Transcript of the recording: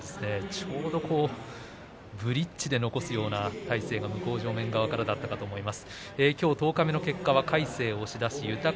ちょうどブリッジで残すような体勢が向正面側からだったと思います。